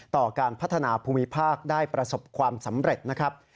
ต่อการพัฒนาภูมิภาคได้ประสบความสำเร็จนะครับ